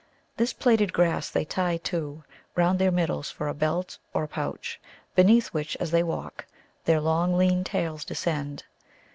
This plaited grass they tie, too, round their middles for a belt or pouch, beneath which, as they walk, their long lean tails descend.